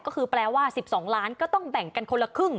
ก็คือแปลว่า๑๒ล้านก็ต้องแบ่งกันคนละครึ่ง